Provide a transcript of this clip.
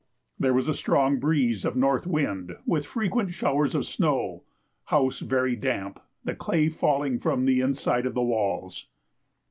There was a strong breeze of N. wind, with frequent showers of snow. House very damp; the clay falling from the inside of the walls.